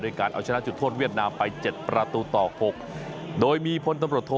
การเอาชนะจุดโทษเวียดนามไปเจ็ดประตูต่อหกโดยมีพลตำรวจโท